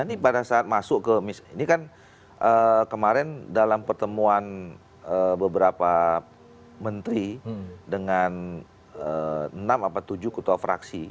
ini kan kemarin dalam pertemuan beberapa menteri dengan enam atau tujuh kutub fraksi